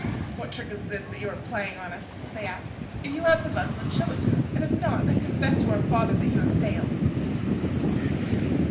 "What trick is this that you are playing on us?" they asked. "If you have the muslin show it to us, and if not then confess to our father that you have failed."